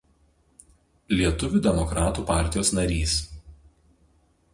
Lietuvių demokratų partijos narys.